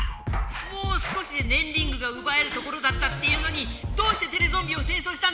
もう少しでねんリングがうばえるところだったっていうのにどうしてテレゾンビを転送したんだい